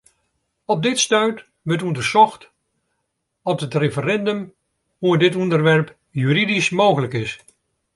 Op dit stuit wurdt ûndersocht oft in referindum oer dit ûnderwerp juridysk mooglik is.